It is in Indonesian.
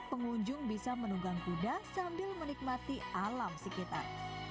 pengunjung bisa menunggang kuda sambil menikmati alam sekitar